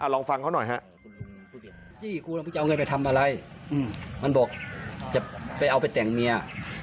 ลองฟังเขาหน่อย